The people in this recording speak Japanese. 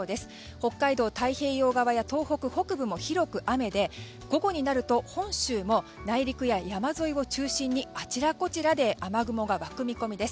北海道の太平洋側や東北北部も広く雨で午後になると本州も内陸や山沿いを中心にあちらこちらで雨雲が湧く見込みです。